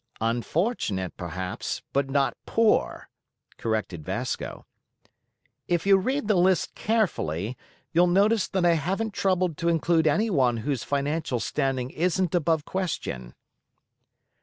"Unfortunate, perhaps, but not poor," corrected Vasco; "if you read the list carefully you'll notice that I haven't troubled to include anyone whose financial standing isn't above question."